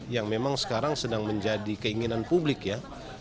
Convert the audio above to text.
yang memang sekarang sedang menjadi keinginan publik ya